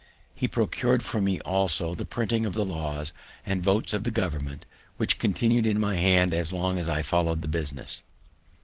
He procured for me, also, the printing of the laws and votes of that government, which continu'd in my hands as long as I follow'd the business.